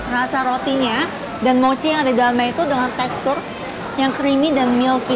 rasa rotinya dan mochi yang ada di dalamnya itu dengan tekstur yang creamy dan milky